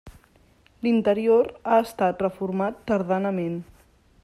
L'interior ha estat reformat tardanament.